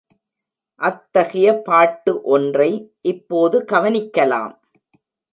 அத்தகைய பாட்டு ஒன்றை இப்போது கவனிக்கலாம்.